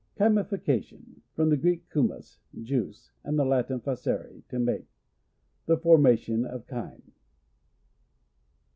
Chy.mikication. — From the Gicek, chum os, juice, and the Latin facere, to make. The formation of chyme.